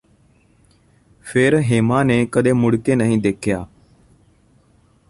ਫਿਰ ਹੇਮਾ ਨੇ ਕਦੇ ਮੁੜ ਕੇ ਨਹੀਂ ਦੇਖਿਆ